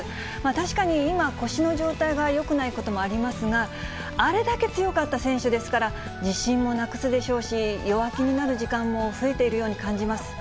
確かに今、腰の状態がよくないこともありますが、あれだけ強かった選手ですから、自信もなくすでしょうし、弱気になる時間も増えているように感じます。